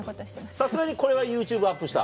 さすがにこれはＹｏｕＴｕｂｅアップした？